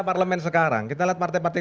parlemen sekarang kita lihat partai partai